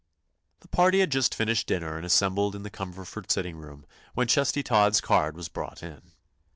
The party had just finished dinner and assembled in the Cumberford sitting room when Chesty Todd's card was brought in.